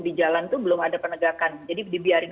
di jalan itu belum ada penegakan jadi dibiarin